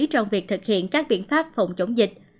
trong việc thực hiện các biện pháp phòng chống dịch